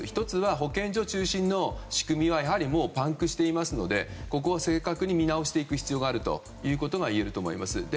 １つは保健所中心の仕組みはやはりパンクしていますのでここを正確に見直しておく必要があると思います。